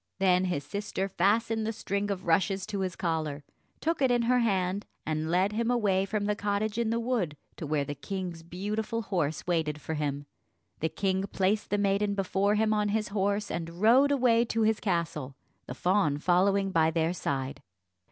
Then his sister fastened the string of rushes to his collar, took it in her hand, and led him away from the cottage in the wood to where the king's beautiful horse waited for him. The king placed the maiden before him on his horse and rode away to his castle, the fawn following by their side.